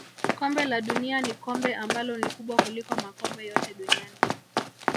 kombe la dunia ni kombe ambalo ni kubwa kuliko makombe yote duniani